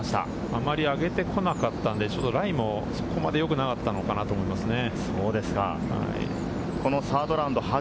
あまり上げてこなかったので、ライもそこまでよくなかったのかなと思いますね。